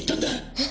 えっ！？